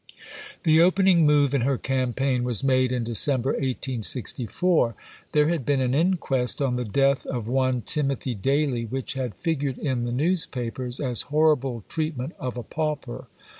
The opening move in her campaign was made in December 1864. There had been an inquest on the death of one Timothy Daly, which had figured in the newspapers as "Horrible Treatment of a Pauper."